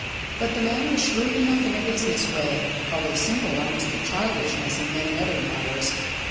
But the man was shrewd enough in a business way, although simple almost to childishness in many other matters.